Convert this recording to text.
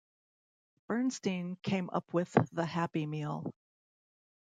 Bernstein came up with the Happy Meal.